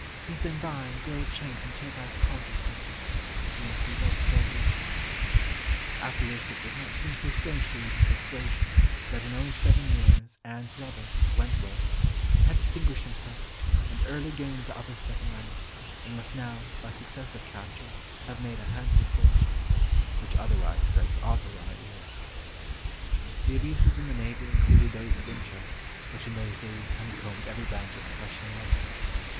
He has been buying gold chains and topaz crosses for us. He must be well scolded." After this it does not seem so strange to read in Persuasion that in only seven years Anne's lover, Wentworth, "had distinguished himself, and early gained the other step in rank, and must now, by successive captures, have made a handsome fortune," which otherwise strikes oddly on our ears. [Illustration: VICTORY OF LORD DUNCAN (CAMPERDOWN) 1797] The abuses in the navy included those of interest, which in those days honeycombed every branch of professional life.